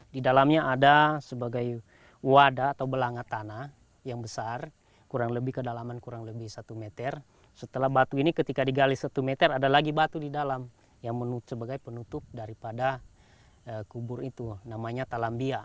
di dalamnya ada sebagai wadah atau belanga tanah yang besar kurang lebih kedalaman kurang lebih satu meter setelah batu ini ketika digali satu meter ada lagi batu di dalam yang sebagai penutup daripada kubur itu namanya talambia